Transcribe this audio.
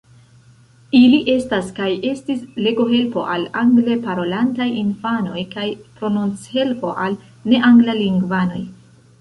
Ili estas kaj estis legohelpo al angle parolantaj infanoj kaj prononchelpo al neanglalingvanoj.